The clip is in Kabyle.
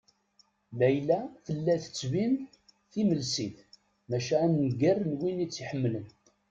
Layla tella tettbin-d timelsit maca a nnger n win i tt-iḥemmlen.